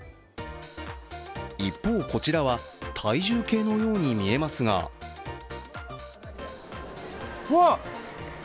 一方、こちらは体重計のように見えますがうわ！